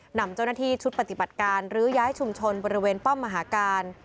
นำเจ้าหน้าที่ชุดปฏิบัติการลื้อย้ายชุมชนบริเวณป้อมมหาการ